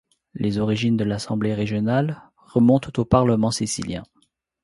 Les origines de l'Assemblée régionale remontent au Parlement sicilien.